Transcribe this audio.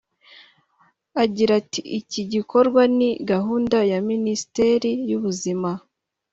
Agira ati “iki gikorwa ni gahunda ya Minisiteri y’ubuzima